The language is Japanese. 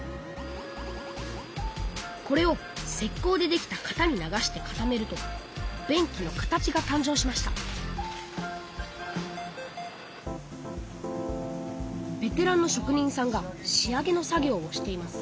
これをせっこうでできた型に流して固めると便器の形がたん生しましたベテランのしょく人さんが仕上げの作業をしています